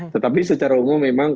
tetapi secara umum memang